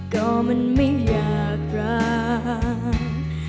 ก็มันไม่อยากปราง